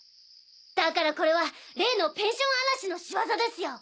だからこれは例のペンション荒らしの仕業ですよ！